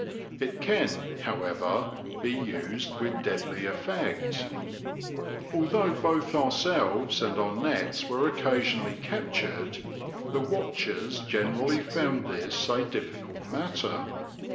It can, however, be used with deadly effect. Although both ourselves and our nets were occasionally captured, the watchers generally found this a difficult matter.